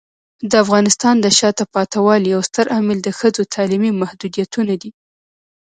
د افغانستان د شاته پاتې والي یو ستر عامل د ښځو تعلیمي محدودیتونه دي.